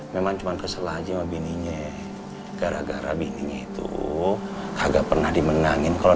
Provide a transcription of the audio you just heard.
memang cuman kesel aja sama bininya gara gara bininya itu agak pernah dimenangin kalau